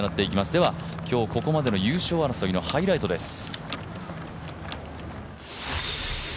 では今日ここまでの優勝争いのハイライトです。